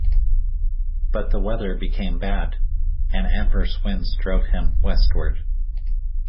But the weather became bad, and adverse winds drove him westward.